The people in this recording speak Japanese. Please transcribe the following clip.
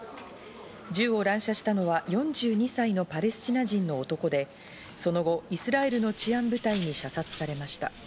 銃を乱射したのは４２歳のパレスチナ人の男で、その後、イスラエルの治安部隊に射殺されました。